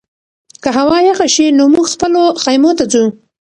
که هوا یخه شي نو موږ خپلو خیمو ته ځو.